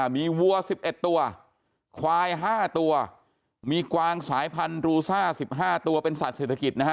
มีวัว๑๑ตัวควาย๕ตัวมีกวางสายพันธุรูซ่า๑๕ตัวเป็นสัตว์เศรษฐกิจนะฮะ